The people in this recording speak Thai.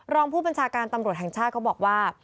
รองผู้บัญชาการตำรวจแห่งชาติเขาบอกว่า